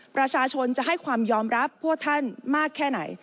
ประชาชนจะให้ความยอมรับพวกท่านมากแค่ไหน